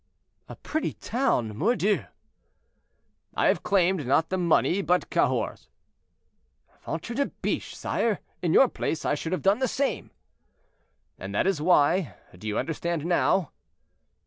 "A pretty town, mordieu!" "I have claimed, not the money, but Cahors." "Ventre de biche! sire, in your place, I should have done the same." "And that is why—do you understand now?"